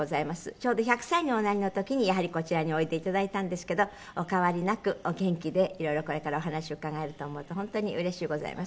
ちょうど１００歳におなりの時にやはりこちらにおいでいただいたんですけどお変わりなくお元気でいろいろこれからお話を伺えると思うと本当にうれしゅうございます。